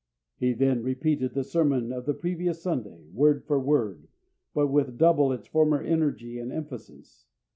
'" He then repeated the sermon of the previous Sunday, word for word, but with double its former energy and emphasis.